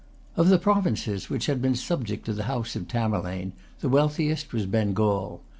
Of the provinces which had been subject to the house of Tamerlane, the wealthiest was Bengal.